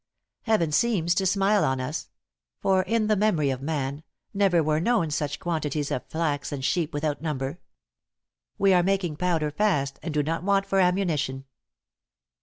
...."Heaven seems to smile on us; for in the memory of man, never were known such quantities of flax and sheep without number. We are making powder fast, and do not want for ammunition."